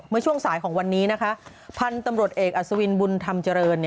ช่วงสายของวันนี้นะคะพันธุ์ตำรวจเอกอัศวินบุญธรรมเจริญ